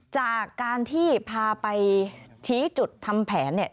จากการที่พาไปชี้จุดทำแผนเนี่ย